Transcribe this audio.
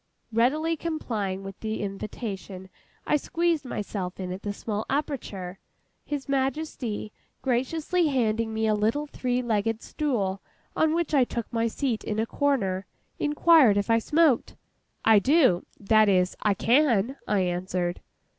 Readily complying with the invitation, I squeezed myself in at the small aperture. His Majesty, graciously handing me a little three legged stool on which I took my seat in a corner, inquired if I smoked. 'I do;—that is, I can,' I answered.